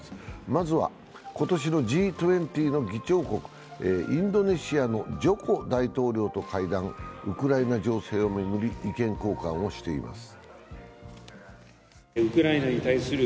まずは今年のＧ２０の議長国、インドネシアのジョコ大統領と会談、ウクライナ情勢を巡り意見交換をしています。